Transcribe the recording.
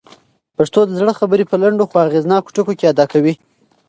پښتو د زړه خبرې په لنډو خو اغېزناکو ټکو کي ادا کوي.